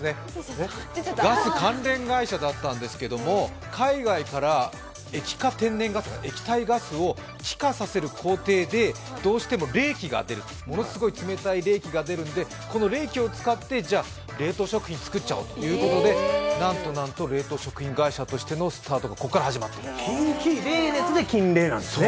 ガス関連会社だったんですけども海外から液化天然ガス、液体ガスを気化させる工程でどうしてもものすごい冷気が出るのでこの冷気を使って冷凍食品を作っちゃおうということでなんとなんと冷凍食品会社としてのスタートがここから始まった。